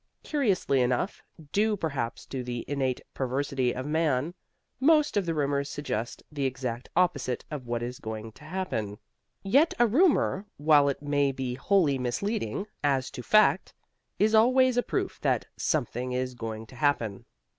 Curiously enough, due perhaps to the innate perversity of man, most of the rumors suggest the exact opposite of what is going to happen. Yet a rumor, while it may be wholly misleading as to fact, is always a proof that something is going to happen.